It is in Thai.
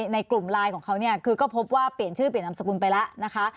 ในกลุ่มไลน์ของเขาเนี่ยคือก็พบว่าเปลี่ยนชื่อเปลี่ยนนามสกุลไปแล้วนะคะ